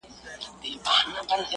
د زمري غار بې هډوکو نه وي.